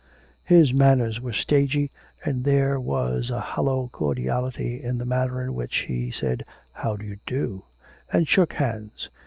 His manners were stagey, and there was a hollow cordiality in the manner in which he said 'How do you do,' and shook hands.